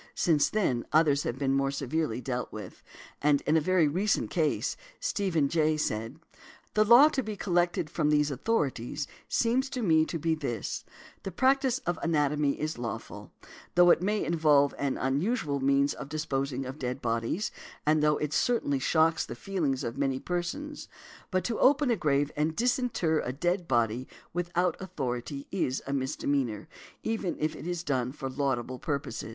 Since then others have been more severely dealt with. And in a very recent case, Stephen, J., said, "The law to be collected from these authorities seems to me to be this:—The practice of anatomy is lawful, though it may involve an unusual means of disposing of dead bodies, and though it certainly shocks the feelings of many persons; but to open a grave and disinter a dead body without authority is a misdemeanor, even if it is done for a laudable purpose."